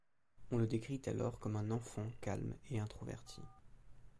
On le décrit alors comme un enfant calme et introverti.